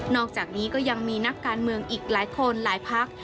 อกจากนี้ก็ยังมีนักการเมืองอีกหลายคนหลายพัก